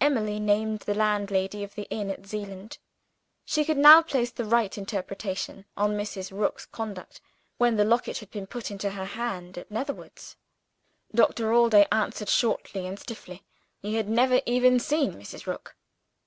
Emily named the landlady of the inn at Zeeland: she could now place the right interpretation on Mrs. Rook's conduct, when the locket had been put into her hand at Netherwoods. Doctor Allday answered shortly and stiffly: he had never even seen Mrs. Rook.